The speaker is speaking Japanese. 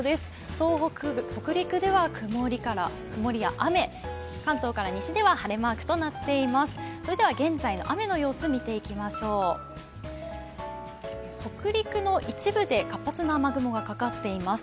東北、北陸では曇りや雨、関東から西では晴れマークとなっています。